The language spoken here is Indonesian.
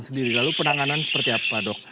jadi lalu penanganan seperti apa dok